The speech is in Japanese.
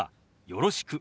「よろしく」。